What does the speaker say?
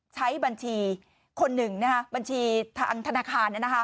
ใช้บัญชีคนหนึ่งบัญชีทางธนาคาร